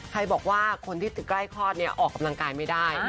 ใครบอกว่าคนที่ใกล้คลอดเนี่ยออกกำลังกายไม่ได้